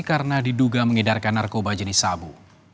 karena diduga mengidarkan narkoba jenis sabu